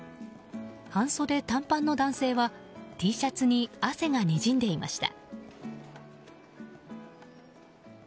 半袖短パンの男性はＴシャツに汗がにじんでいました。